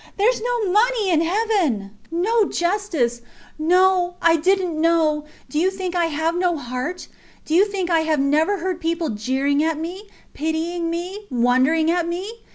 Theres no money in heaven no justice. No! ... I did not know. ... Do you think I have no heart? Do you think I have never heard people jeering at me, pitying me, wondering at me?